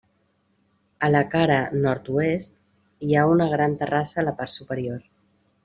A la cara nord-oest, hi ha una gran terrassa a la part superior.